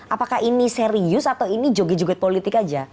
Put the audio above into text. apakah ini serius atau ini joget joget politik aja